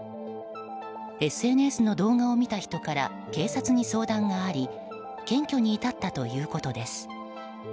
ＳＮＳの動画を見た人から警察に相談があり検挙に至ったということです。